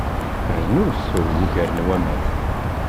Rnu sew ugar n waman.